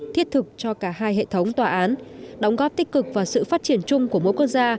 thiết thực cho cả hai hệ thống tòa án đóng góp tích cực và sự phát triển chung của mỗi quốc gia